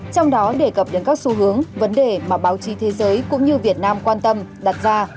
trong đó đề cập đến các xu hướng vấn đề mà báo chí thế giới cũng như việt nam quan tâm đặt ra